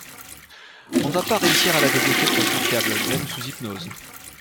On ne va pas réussir à la débloquer de façon fiable, même sous hypnose.